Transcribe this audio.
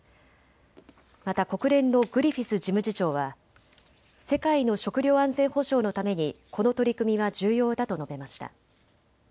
また国連のグリフィス事務次長は世界の食料安全保障のためにこの取り組みは重要だと述べました。